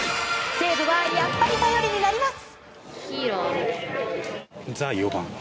西武はやっぱり頼りになります。